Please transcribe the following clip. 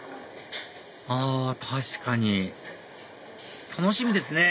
あ確かに楽しみですね